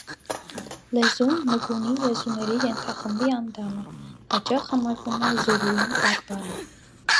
Լեզուն նգունի լեզուների ենթախմբի անդամ է, հաճախ համարվում է զուլուի բարբառ։